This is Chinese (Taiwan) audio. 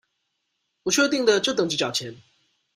不確定的就等著繳錢